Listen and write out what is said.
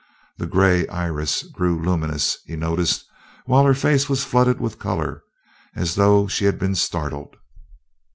The gray iris grew luminous, he noticed, while her face was flooded with color, as though she had been startled.